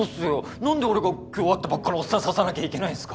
なんで俺が今日会ったばっかのおっさん刺さなきゃいけないんすか！